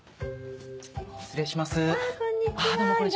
失礼します。